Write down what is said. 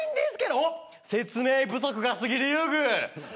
おっ、説明不足がすぎる遊具。